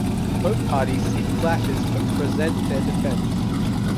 Both parties seek clashes but present their defense.